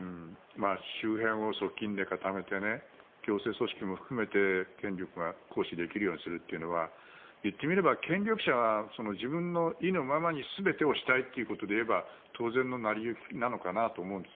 周辺を側近で固めて行政組織も含めて権力が行使できるようにするというのは言ってみれば、権力者が自分の意のままに全てをしたいということでいえば当然の成り行きなのかなと思うんです。